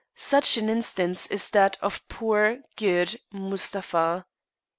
Such an instance is that of poor, good Mustapha.